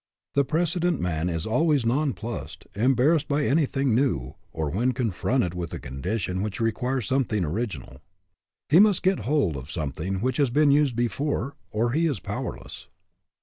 The prec edent man is always nonplussed, embarrassed by anything new, or when confronted with a condition which requires something original. He must get hold of something which has been used before, or he is powerless.